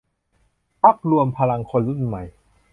พรรครวมพลังคนรุ่นใหม่